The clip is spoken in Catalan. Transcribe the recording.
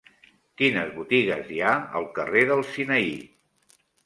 Quines botigues hi ha al carrer del Sinaí?